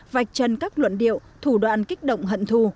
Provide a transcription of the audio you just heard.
vạch chân các luận điệu thủ đoạn kích động hận thù